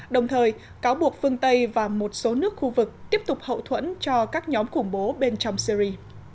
đồng thời cáo buộc phương tây và một số nước khu vực tiếp tục hậu thuẫn cho các nhóm khủng bố bên trong syri